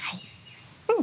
うん。